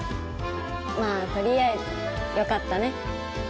まあ取りあえずよかったね。